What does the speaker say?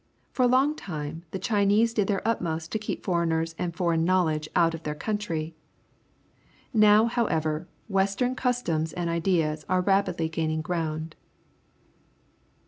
For a long time the Chinese did their utmost to keep foreigners and foreign knowledge out of their country. Now, however, western customs and ideas are rapidly gaining ground.